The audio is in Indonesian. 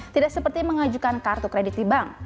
tidak seperti mengajukan kartu kredit di bank